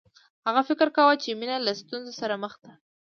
هغه فکر کاوه چې مینه له ستونزو سره مخ ده